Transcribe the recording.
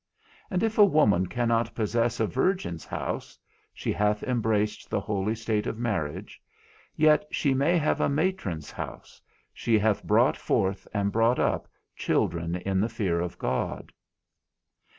And if a woman cannot possess a virgin's house (she hath embraced the holy state of marriage), yet she may have a matron's house, she hath brought forth and brought up children in the fear of God.